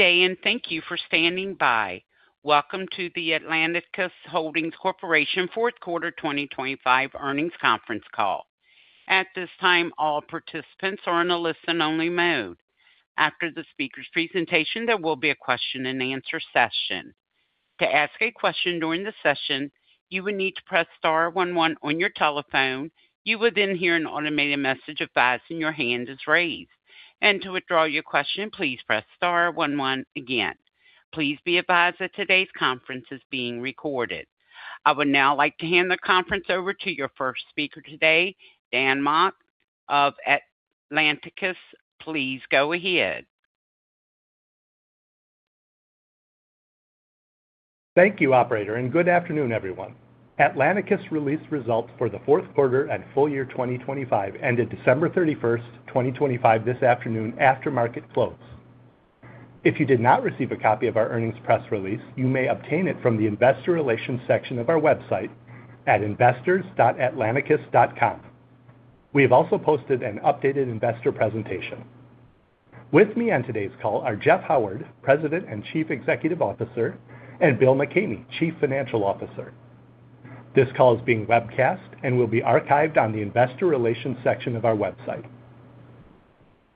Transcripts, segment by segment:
-day and thank you for standing by. Welcome to the Atlanticus Holdings Corporation Fourth Quarter 2025 Earnings Conference Call. At this time, all participants are in a listen-only mode. After the speaker's presentation, there will be a question-and-answer session. To ask a question during the session, you will need to press star one one on your telephone. You will then hear an automated message advising that your hand is raised. To withdraw your question, please press star one one again. Please be advised that today's conference is being recorded. I would now like to hand the conference over to your first speaker today, Dan Mock of Atlanticus. Please go ahead. Thank you, operator, and good afternoon, everyone. Atlanticus released results for the fourth quarter and full year 2025, ended December 31, 2025 this afternoon after market close. If you did not receive a copy of our earnings press release, you may obtain it from the investor relations section of our website at investors.atlanticus.com. We have also posted an updated investor presentation. With me on today's call are Jeff Howard, President and Chief Executive Officer, and Bill McCamey, Chief Financial Officer. This call is being webcast and will be archived on the investor relations section of our website.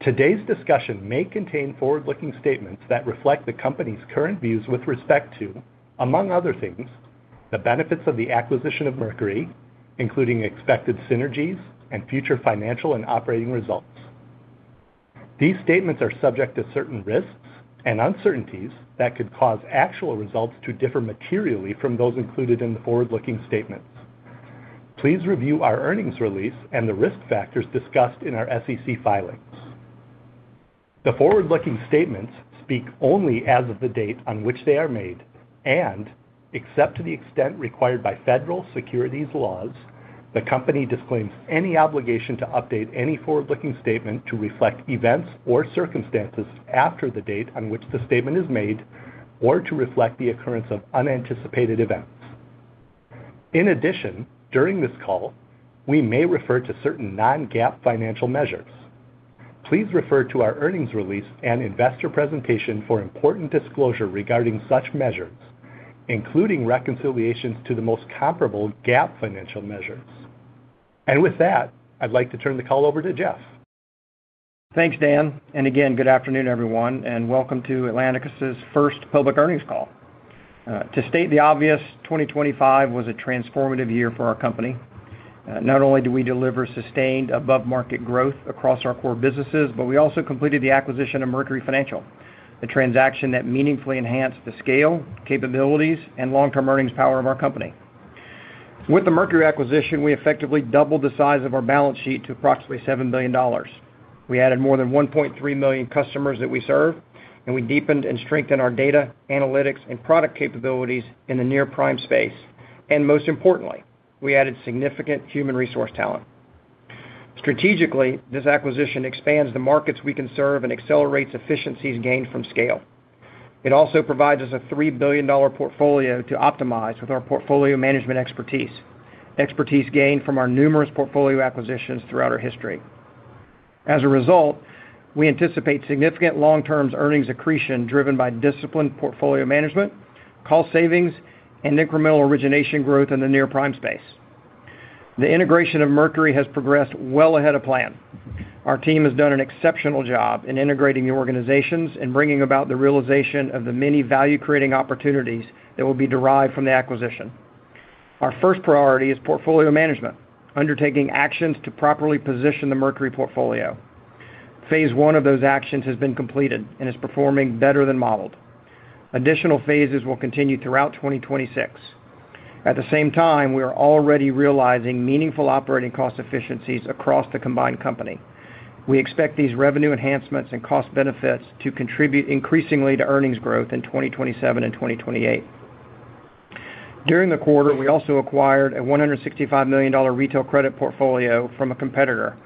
Today's discussion may contain forward-looking statements that reflect the company's current views with respect to, among other things, the benefits of the acquisition of Mercury, including expected synergies and future financial and operating results. These statements are subject to certain risks and uncertainties that could cause actual results to differ materially from those included in the forward-looking statements. Please review our earnings release and the risk factors discussed in our SEC filings. The forward-looking statements speak only as of the date on which they are made. Except to the extent required by federal securities laws, the company disclaims any obligation to update any forward-looking statement to reflect events or circumstances after the date on which the statement is made or to reflect the occurrence of unanticipated events. In addition, during this call, we may refer to certain non-GAAP financial measures. Please refer to our earnings release and investor presentation for important disclosure regarding such measures, including reconciliations to the most comparable GAAP financial measures. With that, I'd like to turn the call over to Jeff. Thanks, Dan. Again, good afternoon, everyone, and welcome to Atlanticus' first public earnings call. To state the obvious, 2025 was a transformative year for our company. Not only do we deliver sustained above-market growth across our core businesses, but we also completed the acquisition of Mercury Financial, the transaction that meaningfully enhanced the scale, capabilities, and long-term earnings power of our company. With the Mercury acquisition, we effectively doubled the size of our balance sheet to approximately $7 billion. We added more than 1.3 million customers that we serve, and we deepened and strengthened our data, analytics, and product capabilities in the near-prime space. Most importantly, we added significant human resource talent. Strategically, this acquisition expands the markets we can serve and accelerates efficiencies gained from scale. It also provides us a $3 billion portfolio to optimize with our portfolio management expertise gained from our numerous portfolio acquisitions throughout our history. As a result, we anticipate significant long-term earnings accretion driven by disciplined portfolio management, cost savings, and incremental origination growth in the near-prime space. The integration of Mercury has progressed well ahead of plan. Our team has done an exceptional job in integrating the organizations and bringing about the realization of the many value-creating opportunities that will be derived from the acquisition. Our first priority is portfolio management, undertaking actions to properly position the Mercury portfolio. Phase one of those actions has been completed and is performing better than modeled. Additional phases will continue throughout 2026. At the same time, we are already realizing meaningful operating cost efficiencies across the combined company. We expect these revenue enhancements and cost benefits to contribute increasingly to earnings growth in 2027 and 2028. During the quarter, we also acquired a $165 million retail credit portfolio from a competitor,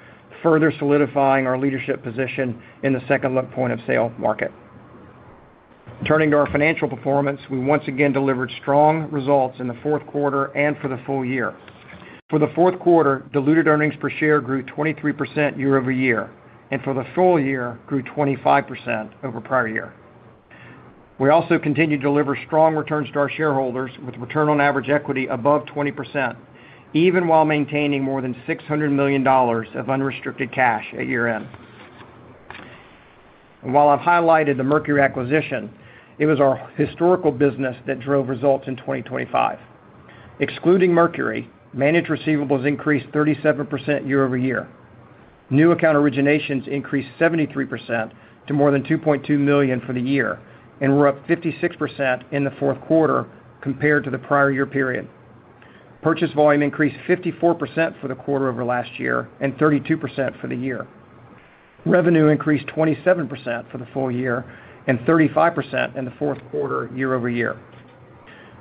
further solidifying our leadership position in the second look point-of-sale market. Turning to our financial performance, we once again delivered strong results in the fourth quarter and for the full year. For the fourth quarter, diluted earnings per share grew 23% year-over-year, and for the full year grew 25% year-over-year. We also continue to deliver strong returns to our shareholders with return on average equity above 20%, even while maintaining more than $600 million of unrestricted cash at year-end. While I've highlighted the Mercury acquisition, it was our historical business that drove results in 2025. Excluding Mercury, managed receivables increased 37% year-over-year. New account originations increased 73% to more than 2.2 million for the year, and were up 56% in the fourth quarter compared to the prior year period. Purchase volume increased 54% for the quarter over last year and 32% for the year. Revenue increased 27% for the full year and 35% in the fourth quarter year-over-year.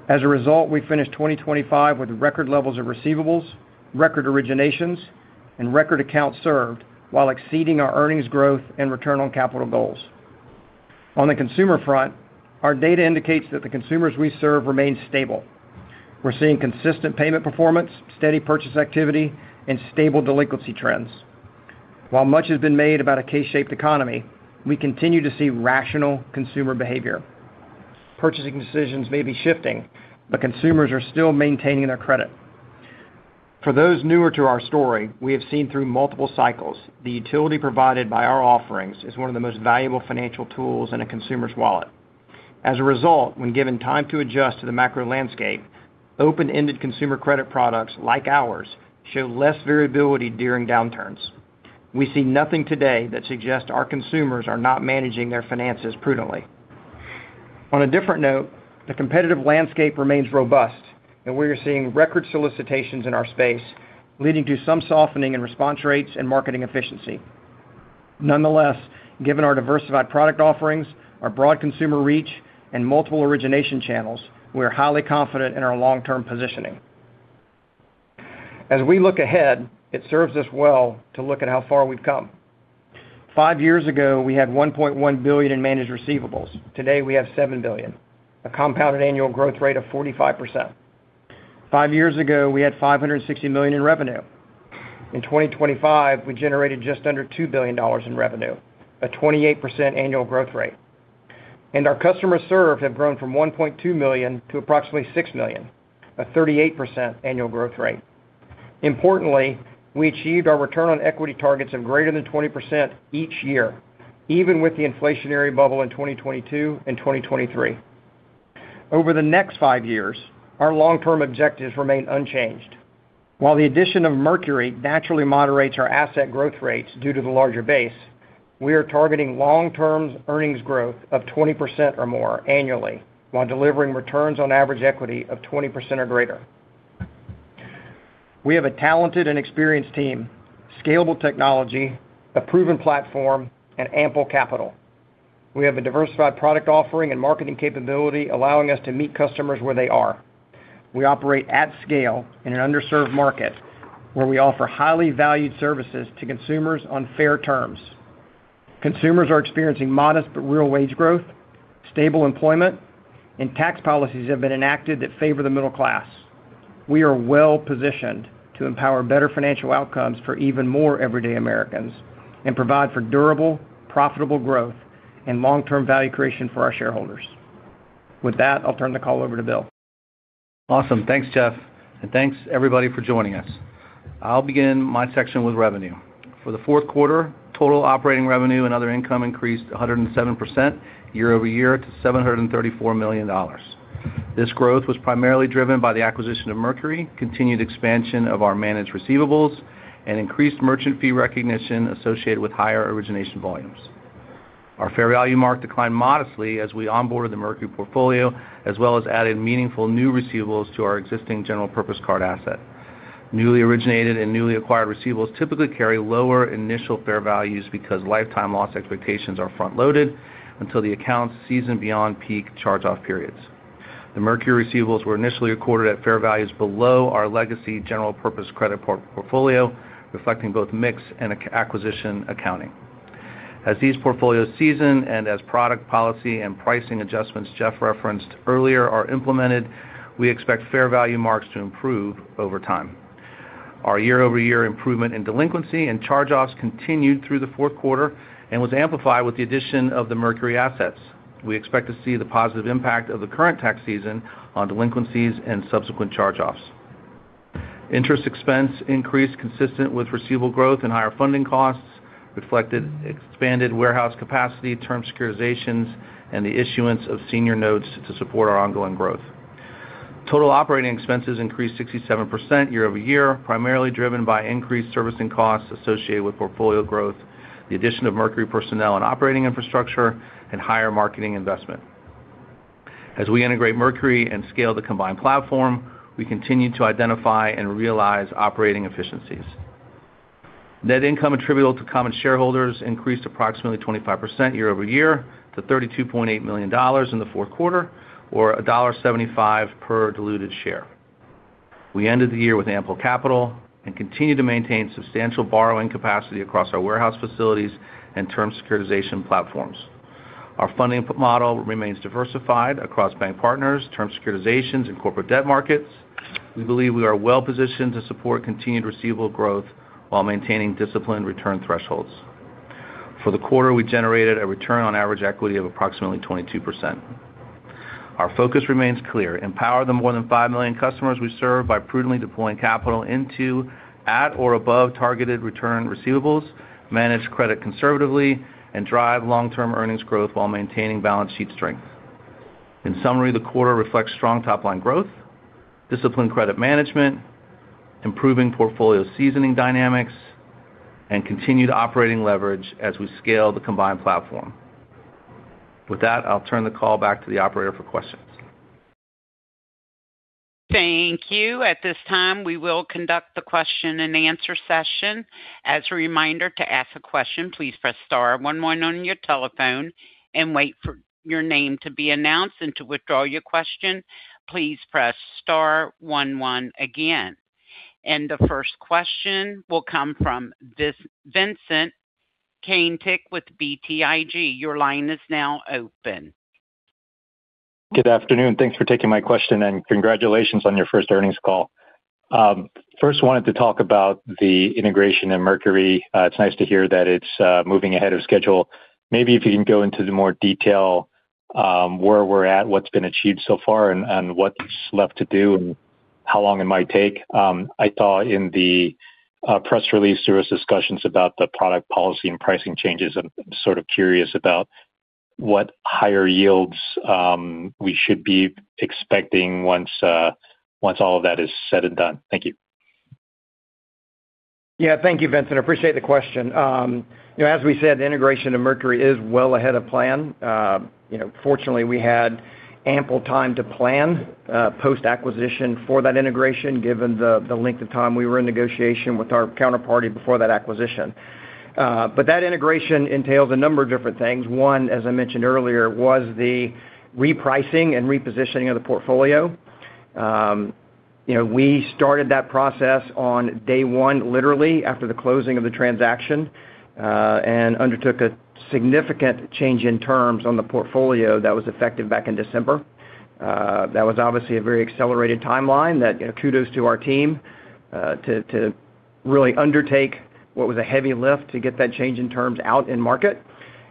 As a result, we finished 2025 with record levels of receivables, record originations, and record accounts served while exceeding our earnings growth and return on capital goals. On the consumer front, our data indicates that the consumers we serve remain stable. We're seeing consistent payment performance, steady purchase activity, and stable delinquency trends. While much has been made about a K-shaped economy, we continue to see rational consumer behavior. Purchasing decisions may be shifting, but consumers are still maintaining their credit. For those newer to our story, we have seen through multiple cycles the utility provided by our offerings is one of the most valuable financial tools in a consumer's wallet. As a result, when given time to adjust to the macro landscape, open-ended consumer credit products like ours show less variability during downturns. We see nothing today that suggests our consumers are not managing their finances prudently. On a different note, the competitive landscape remains robust, and we are seeing record solicitations in our space, leading to some softening in response rates and marketing efficiency. Nonetheless, given our diversified product offerings, our broad consumer reach, and multiple origination channels, we are highly confident in our long-term positioning. As we look ahead, it serves us well to look at how far we've come. Five years ago, we had $1.1 billion in managed receivables. Today, we have $7 billion, a compounded annual growth rate of 45%. Five years ago, we had $560 million in revenue. In 2025, we generated just under $2 billion in revenue, a 28% annual growth rate. Our customers served have grown from 1.2 million to approximately 6 million, a 38% annual growth rate. Importantly, we achieved our return on equity targets of greater than 20% each year, even with the inflationary bubble in 2022 and 2023. Over the next five years, our long-term objectives remain unchanged. While the addition of Mercury naturally moderates our asset growth rates due to the larger base, we are targeting long-term earnings growth of 20% or more annually while delivering returns on average equity of 20% or greater. We have a talented and experienced team, scalable technology, a proven platform, and ample capital. We have a diversified product offering and marketing capability allowing us to meet customers where they are. We operate at scale in an underserved market where we offer highly valued services to consumers on fair terms. Consumers are experiencing modest but real wage growth, stable employment, and tax policies have been enacted that favor the middle class. We are well-positioned to empower better financial outcomes for even more everyday Americans and provide for durable, profitable growth and long-term value creation for our shareholders. With that, I'll turn the call over to Bill. Awesome. Thanks, Jeff, and thanks everybody for joining us. I'll begin my section with revenue. For the fourth quarter, total operating revenue and other income increased 107% year-over-year to $734 million. This growth was primarily driven by the acquisition of Mercury, continued expansion of our managed receivables, and increased merchant fee recognition associated with higher origination volumes. Our fair value mark declined modestly as we onboarded the Mercury portfolio as well as added meaningful new receivables to our existing general purpose card asset. Newly originated and newly acquired receivables typically carry lower initial fair values because lifetime loss expectations are front-loaded until the accounts season beyond peak charge-off periods. The Mercury receivables were initially recorded at fair values below our legacy general purpose credit portfolio, reflecting both mix and acquisition accounting. As these portfolios season and as product policy and pricing adjustments Jeff referenced earlier are implemented, we expect fair value marks to improve over time. Our year-over-year improvement in delinquency and charge-offs continued through the fourth quarter and was amplified with the addition of the Mercury assets. We expect to see the positive impact of the current tax season on delinquencies and subsequent charge-offs. Interest expense increased consistent with receivable growth and higher funding costs reflected expanded warehouse capacity, term securitizations, and the issuance of senior notes to support our ongoing growth. Total operating expenses increased 67% year-over-year, primarily driven by increased servicing costs associated with portfolio growth, the addition of Mercury personnel and operating infrastructure, and higher marketing investment. As we integrate Mercury and scale the combined platform, we continue to identify and realize operating efficiencies. Net income attributable to common shareholders increased approximately 25% year-over-year to $32.8 million in the fourth quarter or $1.75 per diluted share. We ended the year with ample capital and continue to maintain substantial borrowing capacity across our warehouse facilities and term securitization platforms. Our funding input model remains diversified across bank partners, term securitizations, and corporate debt markets. We believe we are well-positioned to support continued receivable growth while maintaining disciplined return thresholds. For the quarter, we generated a return on average equity of approximately 22%. Our focus remains clear. Empower the more than 5 million customers we serve by prudently deploying capital into at or above targeted return receivables, manage credit conservatively, and drive long-term earnings growth while maintaining balance sheet strength. In summary, the quarter reflects strong top-line growth, disciplined credit management, improving portfolio seasoning dynamics, and continued operating leverage as we scale the combined platform. With that, I'll turn the call back to the operator for questions. Thank you. At this time, we will conduct the question-and-answer session. As a reminder, to ask a question, please press star one one on your telephone and wait for your name to be announced. To withdraw your question, please press star one one again. The first question will come from Vincent Caintic with BTIG. Your line is now open. Good afternoon. Thanks for taking my question, and congratulations on your first earnings call. First wanted to talk about the integration in Mercury. It's nice to hear that it's moving ahead of schedule. Maybe if you can go into the more detail, where we're at, what's been achieved so far, and what's left to do, and how long it might take. I saw in the press release, there was discussions about the product policy and pricing changes. I'm sort of curious about what higher yields we should be expecting once all of that is said and done. Thank you. Yeah. Thank you, Vincent. I appreciate the question. You know, as we said, the integration of Mercury is well ahead of plan. You know, fortunately, we had ample time to plan, post-acquisition for that integration, given the length of time we were in negotiation with our counterparty before that acquisition. That integration entails a number of different things. One, as I mentioned earlier, was the repricing and repositioning of the portfolio. You know, we started that process on day one, literally after the closing of the transaction, and undertook a significant change in terms on the portfolio that was effective back in December. That was obviously a very accelerated timeline that, you know, kudos to our team, to really undertake what was a heavy lift to get that change in terms out in market.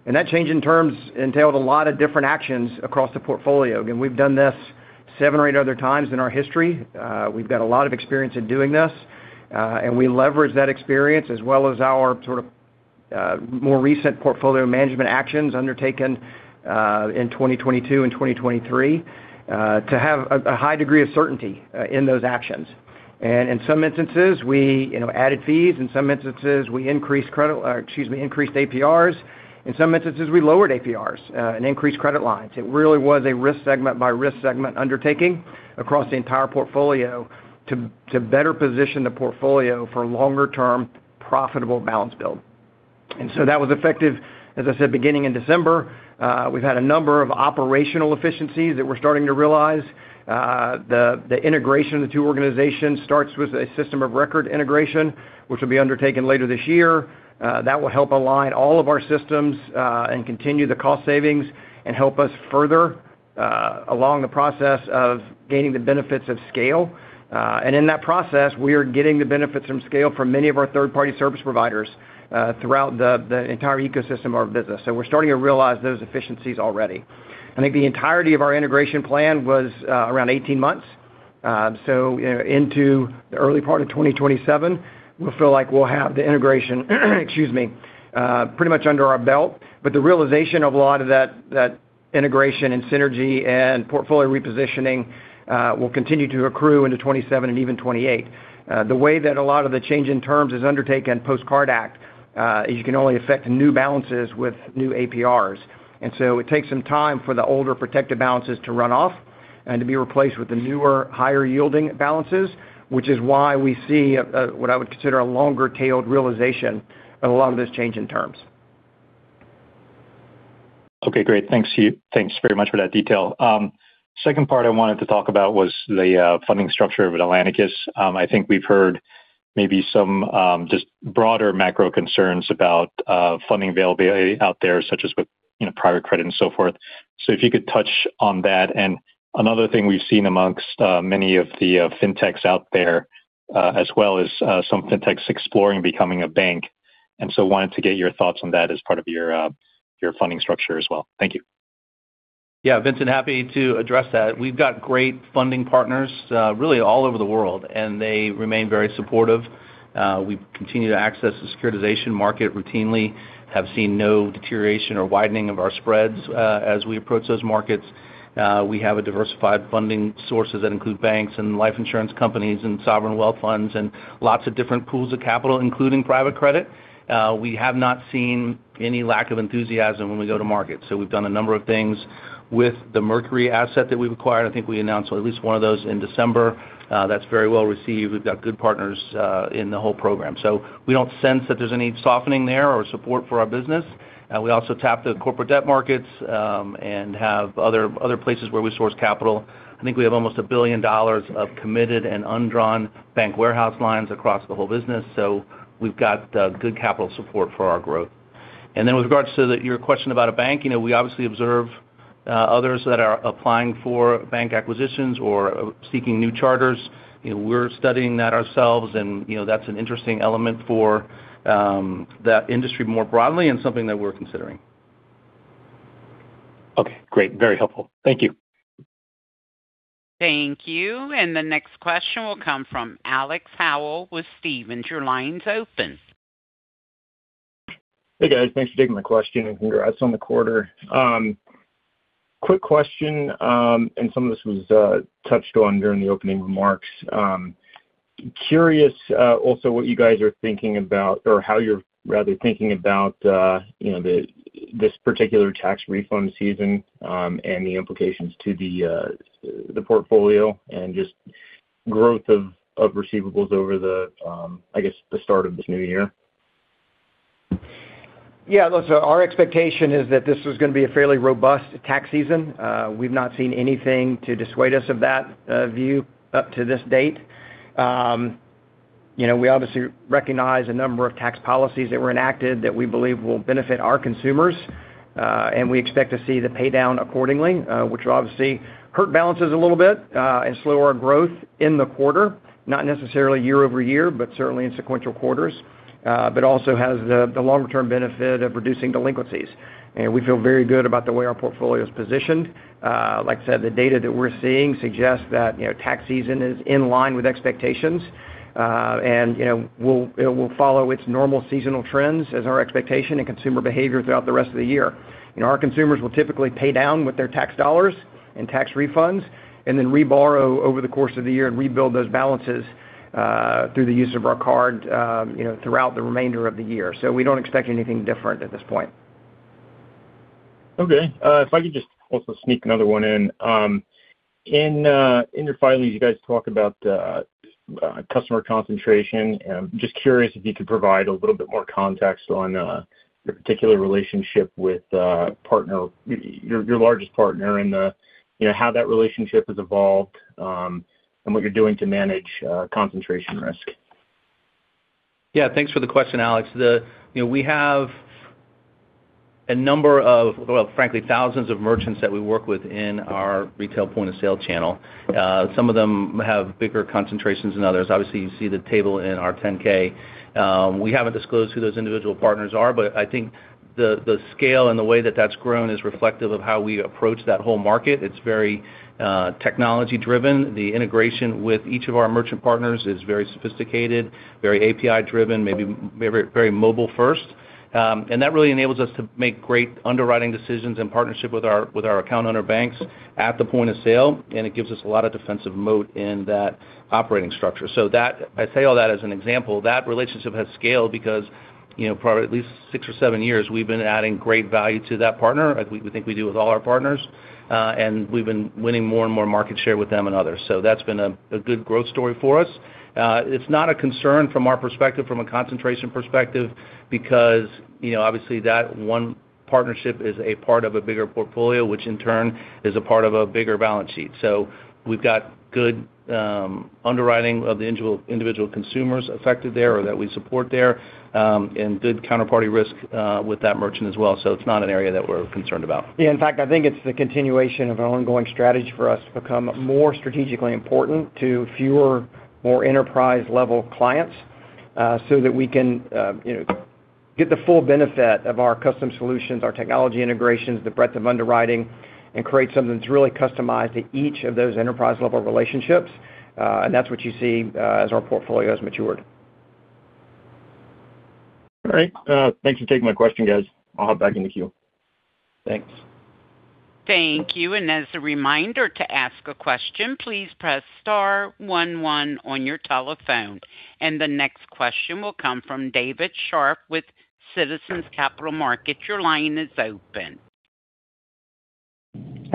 That change in terms entailed a lot of different actions across the portfolio. Again, we've done this seven or eight other times in our history. We've got a lot of experience in doing this, and we leverage that experience as well as our sort of more recent portfolio management actions undertaken in 2022 and 2023 to have a high degree of certainty in those actions. In some instances, we, you know, added fees. In some instances, we increased APRs. In some instances, we lowered APRs and increased credit lines. It really was a risk segment by risk segment undertaking across the entire portfolio to better position the portfolio for longer-term profitable balance build. That was effective, as I said, beginning in December. We've had a number of operational efficiencies that we're starting to realize. The integration of the two organizations starts with a system of record integration, which will be undertaken later this year. That will help align all of our systems and continue the cost savings and help us further along the process of gaining the benefits of scale. In that process, we are getting the benefits from scale from many of our third-party service providers throughout the entire ecosystem of our business. We're starting to realize those efficiencies already. I think the entirety of our integration plan was around 18 months. You know, into the early part of 2027, we feel like we'll have the integration, excuse me, pretty much under our belt. The realization of a lot of that integration and synergy and portfolio repositioning, will continue to accrue into 2027 and even 2028. The way that a lot of the change in terms is undertaken post Card Act is you can only affect new balances with new APRs. It takes some time for the older protected balances to run off and to be replaced with the newer, higher-yielding balances, which is why we see what I would consider a longer-tailed realization of a lot of this change in terms. Okay, great. Thanks. Thanks very much for that detail. Second part I wanted to talk about was the funding structure of Atlanticus. I think we've heard maybe some just broader macro concerns about funding availability out there, such as with, you know, private credit and so forth. If you could touch on that. Another thing we've seen among many of the fintechs out there, as well as some fintechs exploring becoming a bank, and so wanted to get your thoughts on that as part of your funding structure as well. Thank you. Yeah. Vincent, happy to address that. We've got great funding partners, really all over the world, and they remain very supportive. We continue to access the securitization market routinely, have seen no deterioration or widening of our spreads, as we approach those markets. We have a diversified funding sources that include banks and life insurance companies and sovereign wealth funds and lots of different pools of capital, including private credit. We have not seen any lack of enthusiasm when we go to market. We've done a number of things with the Mercury asset that we've acquired. I think we announced at least one of those in December. That's very well received. We've got good partners, in the whole program. We don't sense that there's any softening there or support for our business. We also tap the corporate debt markets, and have other places where we source capital. I think we have almost $1 billion of committed and undrawn bank warehouse lines across the whole business. We've got good capital support for our growth. Then with regards to your question about a bank, you know, we obviously observe others that are applying for bank acquisitions or seeking new charters. You know, we're studying that ourselves and, you know, that's an interesting element for that industry more broadly and something that we're considering. Okay, great. Very helpful. Thank you. Thank you. The next question will come from Alex Howell with Stephens. Your line's open. Hey, guys. Thanks for taking my question, and congrats on the quarter. Quick question, and some of this was touched on during the opening remarks. Curious, also what you guys are thinking about or how you're rather thinking about, you know, this particular tax refund season, and the implications to the portfolio and just growth of receivables over the, I guess, the start of this new year. Yeah. Look, our expectation is that this is gonna be a fairly robust tax season. We've not seen anything to dissuade us of that view up to this date. You know, we obviously recognize a number of tax policies that were enacted that we believe will benefit our consumers. We expect to see the pay down accordingly, which will obviously hurt balances a little bit, and slow our growth in the quarter, not necessarily year-over-year, but certainly in sequential quarters. Also has the longer term benefit of reducing delinquencies. We feel very good about the way our portfolio is positioned. Like I said, the data that we're seeing suggests that, you know, tax season is in line with expectations. You know, it will follow its normal seasonal trends as our expectation and consumer behavior throughout the rest of the year. You know, our consumers will typically pay down with their tax dollars and tax refunds, and then reborrow over the course of the year and rebuild those balances, you know, throughout the remainder of the year. We don't expect anything different at this point. Okay. If I could just also sneak another one in. In your filings, you guys talk about customer concentration. Just curious if you could provide a little bit more context on your particular relationship with your largest partner and you know how that relationship has evolved and what you're doing to manage concentration risk. Yeah, thanks for the question, Alex. You know, we have a number of, well, frankly, thousands of merchants that we work with in our retail point-of-sale channel. Some of them have bigger concentrations than others. Obviously, you see the table in our 10-K. We haven't disclosed who those individual partners are, but I think the scale and the way that that's grown is reflective of how we approach that whole market. It's very technology-driven. The integration with each of our merchant partners is very sophisticated, very API-driven, maybe very mobile-first. And that really enables us to make great underwriting decisions in partnership with our account-owner banks at the point-of-sale, and it gives us a lot of defensive moat in that operating structure. I say all that as an example. That relationship has scaled because, you know, for at least six or seven years, we've been adding great value to that partner, as we think we do with all our partners. We've been winning more and more market share with them and others. That's been a good growth story for us. It's not a concern from our perspective, from a concentration perspective, because, you know, obviously that one partnership is a part of a bigger portfolio, which in turn is a part of a bigger balance sheet. We've got good underwriting of the individual consumers affected there or that we support there, and good counterparty risk with that merchant as well. It's not an area that we're concerned about. In fact, I think it's the continuation of an ongoing strategy for us to become more strategically important to fewer, more enterprise-level clients, so that we can, you know, get the full benefit of our custom solutions, our technology integrations, the breadth of underwriting, and create something that's really customized to each of those enterprise-level relationships. That's what you see, as our portfolio has matured. All right. Thanks for taking my question, guys. I'll hop back in the queue. Thanks. Thank you. As a reminder to ask a question, please press star one one on your telephone. The next question will come from David Scharf with Citizens Capital Markets. Your line is open.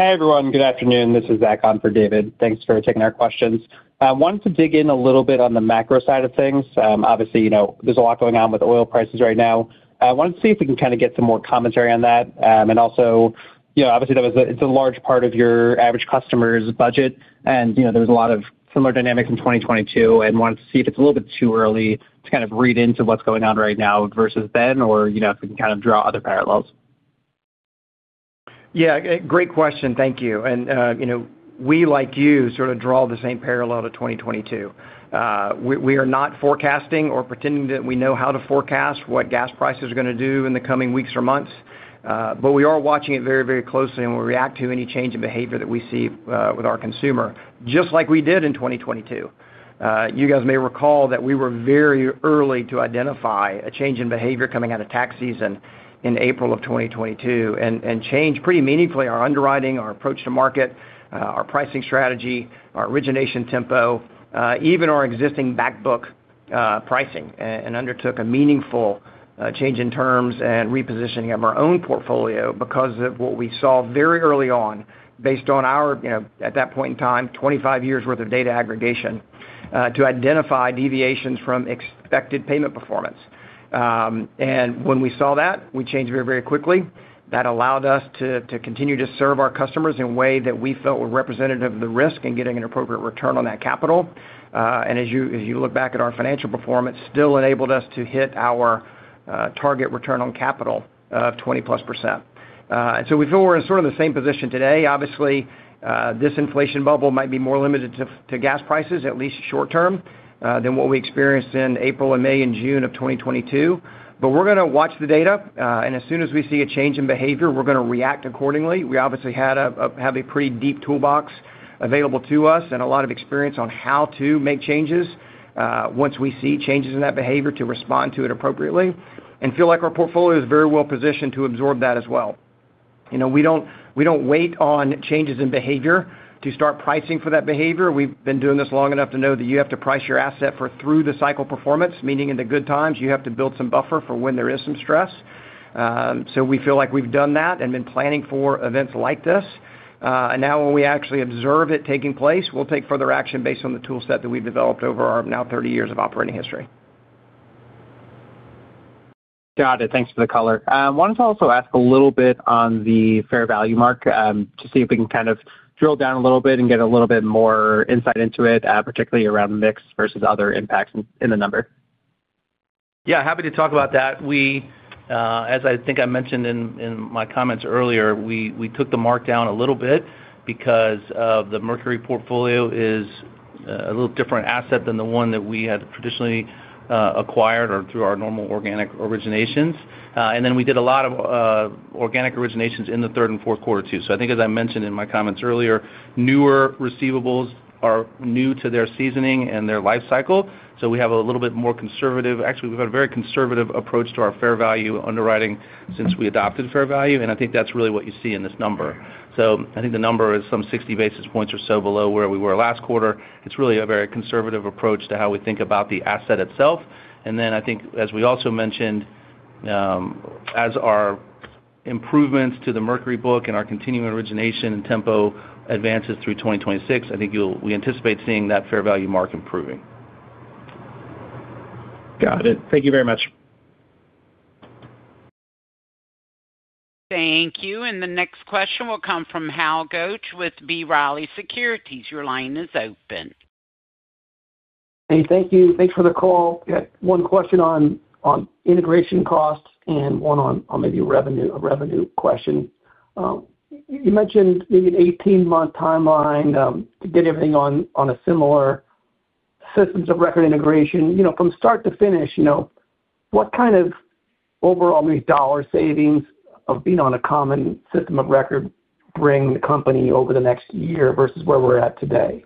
Hi, everyone. Good afternoon. This is Zach on for David. Thanks for taking our questions. I wanted to dig in a little bit on the macro side of things. Obviously, you know, there's a lot going on with oil prices right now. I wanted to see if we can kind of get some more commentary on that. Also, you know, obviously, that it's a large part of your average customer's budget. You know, there was a lot of similar dynamics in 2022. I wanted to see if it's a little bit too early to kind of read into what's going on right now versus then or, you know, if we can kind of draw other parallels. Yeah, great question. Thank you. You know, we, like you, sort of draw the same parallel to 2022. We are not forecasting or pretending that we know how to forecast what gas prices are gonna do in the coming weeks or months. But we are watching it very, very closely, and we'll react to any change in behavior that we see with our consumer, just like we did in 2022. You guys may recall that we were very early to identify a change in behavior coming out of tax season in April of 2022 and change pretty meaningfully our underwriting, our approach to market, our pricing strategy, our origination tempo, even our existing back book pricing. Undertook a meaningful change in terms and repositioning of our own portfolio because of what we saw very early on based on our, you know, at that point in time, 25 years worth of data aggregation to identify deviations from expected payment performance. When we saw that, we changed very, very quickly. That allowed us to continue to serve our customers in a way that we felt were representative of the risk and getting an appropriate return on that capital. As you look back at our financial performance, still enabled us to hit our target return on capital of 20+%. We feel we're in sort of the same position today. Obviously, this inflation bubble might be more limited to gas prices at least short-term than what we experienced in April and May and June of 2022. We're gonna watch the data, and as soon as we see a change in behavior, we're gonna react accordingly. We obviously have a pretty deep toolbox available to us and a lot of experience on how to make changes once we see changes in that behavior, to respond to it appropriately. Feel like our portfolio is very well-positioned to absorb that as well. You know, we don't wait on changes in behavior to start pricing for that behavior. We've been doing this long enough to know that you have to price your asset for through the cycle performance. Meaning in the good times, you have to build some buffer for when there is some stress. We feel like we've done that and been planning for events like this. Now when we actually observe it taking place, we'll take further action based on the tool set that we've developed over our now 30 years of operating history. Got it. Thanks for the color. Wanted to also ask a little bit on the fair value mark, to see if we can kind of drill down a little bit and get a little bit more insight into it, particularly around mix versus other impacts in the number. Yeah, happy to talk about that. We, as I think I mentioned in my comments earlier, we took the mark down a little bit because of the Mercury portfolio is a little different asset than the one that we had traditionally acquired or through our normal organic originations. And then we did a lot of organic originations in the third and fourth quarter too. I think as I mentioned in my comments earlier, newer receivables are new to their seasoning and their life cycle, so we have a little bit more conservative. Actually, we've had a very conservative approach to our fair value underwriting since we adopted fair value, and I think that's really what you see in this number. I think the number is some 60 basis points or so below where we were last quarter. It's really a very conservative approach to how we think about the asset itself. I think as we also mentioned, as our improvements to the Mercury book and our continuing origination and tempo advances through 2026, we anticipate seeing that fair value mark improving. Got it. Thank you very much. Thank you. The next question will come from Hal Goetsch with B. Riley Securities. Your line is open. Hey, thank you. Thanks for the call. Got one question on integration costs and one on maybe revenue, a revenue question. You mentioned maybe an 18-month timeline to get everything on a similar systems of record integration. You know, from start to finish, you know, what kind of overall maybe dollar savings of being on a common system of record bring the company over the next year versus where we're at today?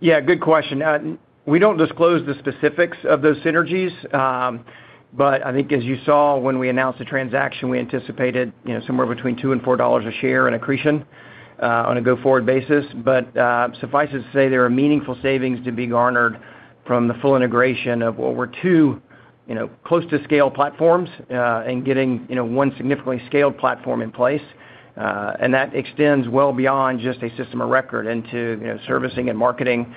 Yeah, good question. We don't disclose the specifics of those synergies. I think as you saw when we announced the transaction, we anticipated, you know, somewhere between $2 and $4 a share in accretion, on a go-forward basis. Suffice it to say, there are meaningful savings to be garnered from the full integration of what were two, you know, close to scale platforms, and getting, you know, one significantly scaled platform in place. That extends well beyond just a system of record into, you know, servicing and marketing,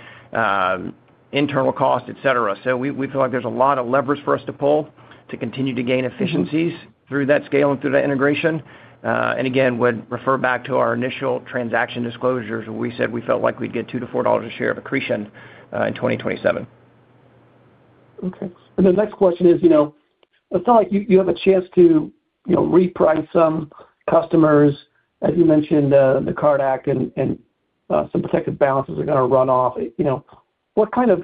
internal costs, et cetera. We feel like there's a lot of leverage for us to pull to continue to gain efficiencies through that scale and through that integration. Again, would refer back to our initial transaction disclosures where we said we felt like we'd get $2-$4 a share of accretion in 2027. Okay. The next question is, you know, it's not like you have a chance to, you know, reprice some customers. As you mentioned, the CARD Act and some protected balances are gonna run off. You know, what kind of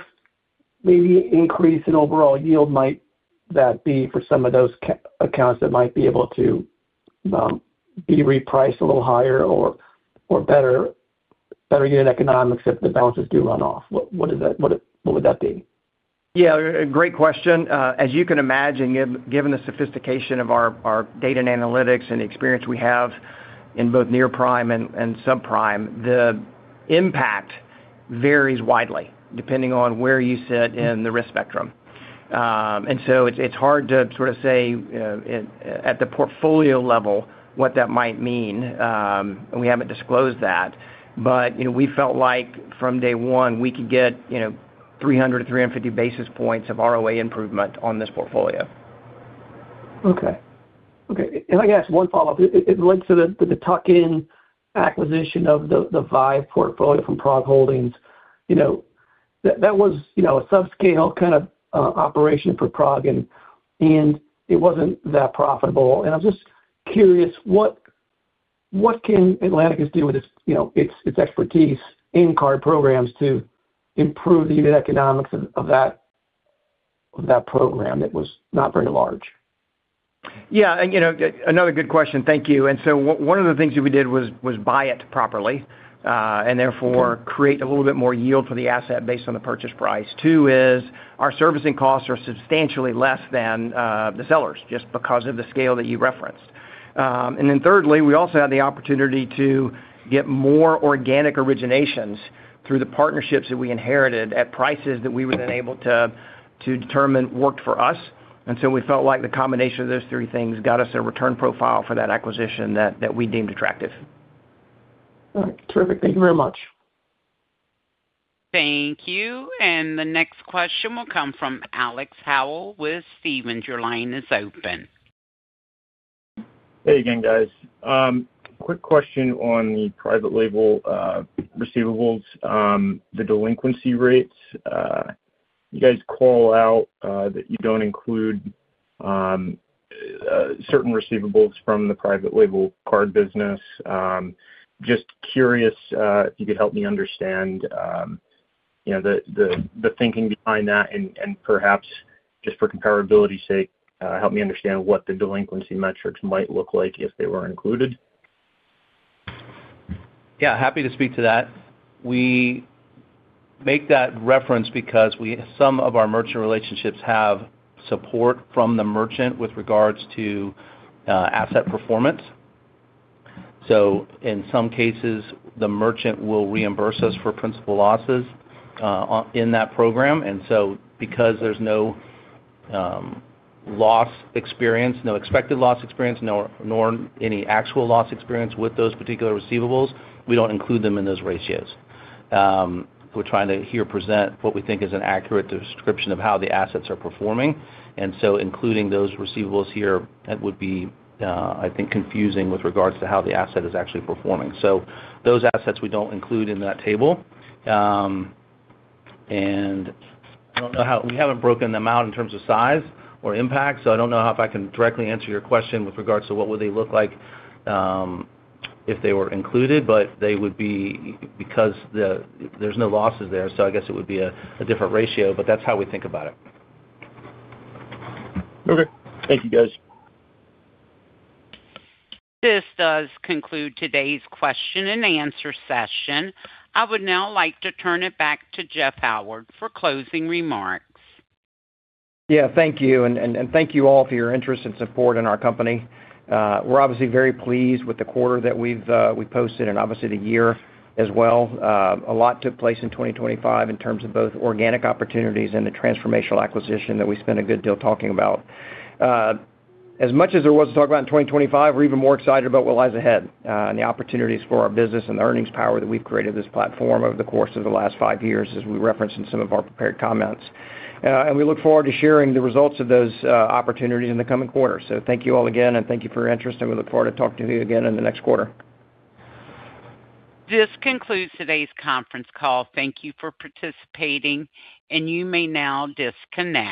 maybe increase in overall yield might that be for some of those accounts that might be able to be repriced a little higher or better unit economics if the balances do run off? What is that? What would that be? Yeah, a great question. As you can imagine, given the sophistication of our data and analytics and the experience we have in both near-prime and subprime, the impact varies widely depending on where you sit in the risk spectrum. It's hard to sort of say at the portfolio level what that might mean. We haven't disclosed that. You know, we felt like from day one, we could get, you know, 300-350 basis points of ROA improvement on this portfolio. Okay. If I could ask one follow-up. It leads to the tuck-in acquisition of the Vive portfolio from PROG Holdings. You know, that was a subscale kind of operation for PROG, and it wasn't that profitable. I'm just curious, what can Atlanticus do with its, you know, expertise in card programs to improve the unit economics of that program that was not very large? Yeah. You know, another good question. Thank you. One of the things that we did was buy it properly, and therefore create a little bit more yield for the asset based on the purchase price. Two is our servicing costs are substantially less than the sellers, just because of the scale that you referenced. And then thirdly, we also had the opportunity to get more organic originations through the partnerships that we inherited at prices that we were then able to determine worked for us. We felt like the combination of those three things got us a return profile for that acquisition that we deemed attractive. All right. Terrific. Thank you very much. Thank you. The next question will come from Alex Howell with Stephens. Your line is open. Hey again, guys. Quick question on the private label receivables, the delinquency rates. You guys call out that you don't include certain receivables from the private label card business. Just curious, if you could help me understand, you know, the thinking behind that and perhaps just for comparability's sake, help me understand what the delinquency metrics might look like if they were included. Yeah, happy to speak to that. We make that reference because some of our merchant relationships have support from the merchant with regards to asset performance. In some cases, the merchant will reimburse us for principal losses in that program. Because there's no loss experience, no expected loss experience, nor any actual loss experience with those particular receivables, we don't include them in those ratios. We're trying to here present what we think is an accurate description of how the assets are performing. Including those receivables here, that would be, I think, confusing with regards to how the asset is actually performing. Those assets we don't include in that table. I don't know how. We haven't broken them out in terms of size or impact, so I don't know if I can directly answer your question with regards to what would they look like, if they were included. They would be because there's no losses there, so I guess it would be a different ratio, but that's how we think about it. Okay. Thank you, guys. This does conclude today's question and answer session. I would now like to turn it back to Jeff Howard for closing remarks. Yeah. Thank you. Thank you all for your interest and support in our company. We're obviously very pleased with the quarter we posted and obviously the year as well. A lot took place in 2025 in terms of both organic opportunities and the transformational acquisition that we spent a good deal talking about. As much as there was to talk about in 2025, we're even more excited about what lies ahead, and the opportunities for our business and the earnings power that we've created this platform over the course of the last five years, as we referenced in some of our prepared comments. We look forward to sharing the results of those opportunities in the coming quarters. Thank you all again, and thank you for your interest, and we look forward to talking to you again in the next quarter. This concludes today's conference call. Thank you for participating, and you may now disconnect.